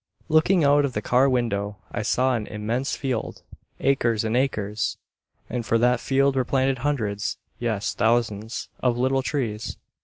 Looking out of the car window I saw an immense field, acres and acres, and in that field were planted hundreds, yes thousands, of little trees.